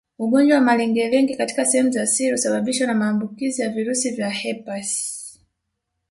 Ugonjwa wa malengelenge katika sehemu za siri husababishwa na maambukizi ya virusi vya herpes